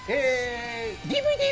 ＤＶＤ